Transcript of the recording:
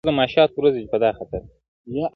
لا تر اوسه پر کږو لارو روان یې.